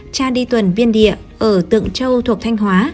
cha đi tuần biên địa ở tượng châu thuộc thanh hóa